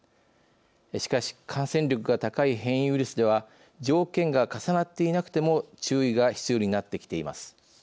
しかし感染力が高い変異ウイルスでは条件が重なっていなくても注意が必要になってきています。